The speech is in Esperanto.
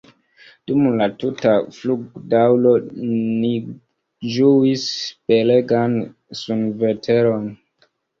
Dum la tuta flugdaŭro ni ĝuis belegan sunveteron.